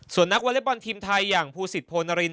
ส่วนนักวอเล็กบอลทีมไทยอย่างภูสิตโพนริน